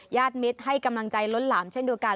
ญาติมิตรให้กำลังใจล้นหล่ำเช่นดูกัน